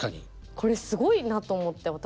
これすごいなと思って私。